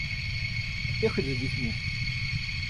Так ехать за детьми?